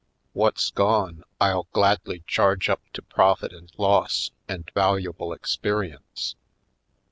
What's gone I'll gladly charge up to profit and loss and valuable experience.